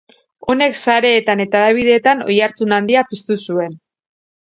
Honek sareetan eta hedabideetan oihartzun handia piztu zuen.